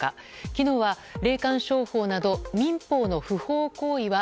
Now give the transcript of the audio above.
昨日は、霊感商法など民法の不法行為は